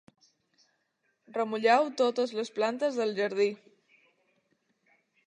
Remulleu totes les plantes del jardí.